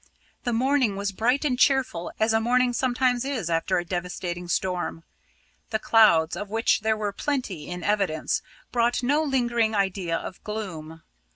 The morning was bright and cheerful, as a morning sometimes is after a devastating storm. The clouds, of which there were plenty in evidence, brought no lingering idea of gloom.